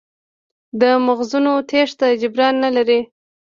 د مغزونو تېښته جبران نه لري.